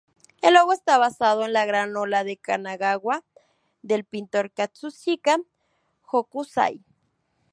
El logo está basado en "La gran ola de Kanagawa", del pintor Katsushika Hokusai.